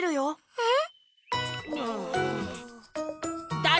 えっ？